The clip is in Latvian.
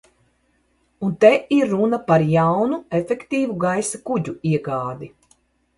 Un te ir runa par jaunu efektīvu gaisa kuģu iegādi.